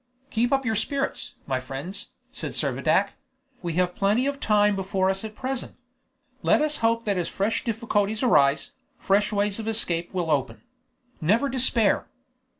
"Keep up your spirits, my friends," said Servadac; "we have plenty of time before us at present. Let us hope that as fresh difficulties arise, fresh ways of escape will open. Never despair!"